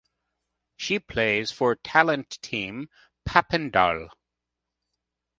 She plays for Talent Team Papendal.